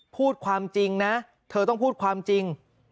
พูดความจริงนะเธอต้องพูดความจริง